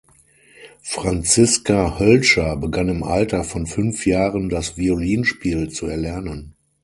Franziska Hölscher begann im Alter von fünf Jahren das Violinspiel zu erlernen.